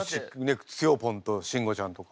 つよぽんと慎吾ちゃんとか。